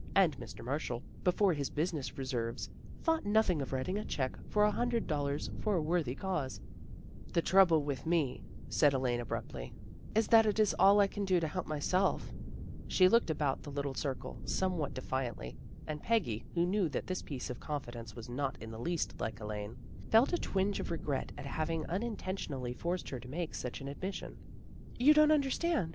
And Mr. Marshall, before his business reverses, thought nothing of writing a check for a hundred dollars for a worthy cause." lt The trouble with me," said Elaine abruptly, 94 THE GIRLS OF FRIENDLY TERRACE " is that it is all I can do to help myself." She looked about the little circle, somewhat de fiantly, and Peggy, who knew that this piece of confidence was not in the least like Elaine, felt a twinge of regret at having unintentionally forced her to make such an admission. " You don't understand.